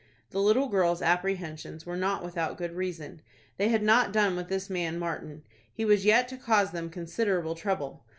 The little girl's apprehensions were not without good reason. They had not done with this man Martin. He was yet to cause them considerable trouble.